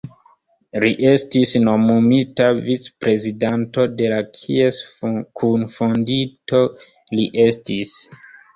Li estis nomumita vic-prezidanto de la kies kunfondinto li estis.